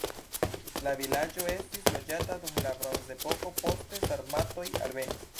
La vilaĝo estis loĝata dum la bronzepoko, poste sarmatoj alvenis.